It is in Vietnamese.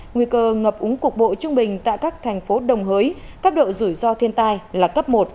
nguy cơ ngập úng cục bộ trung bình tại các thành phố đồng hới cấp độ rủi ro thiên tai là cấp một